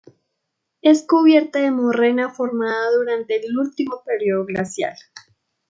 Es cubierta de morrena formada durante el último periodo glacial.